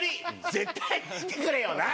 絶対見てくれよな！